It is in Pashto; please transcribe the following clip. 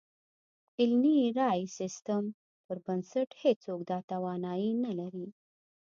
علني رایې سیستم پر بنسټ هېڅوک دا توانایي نه لري.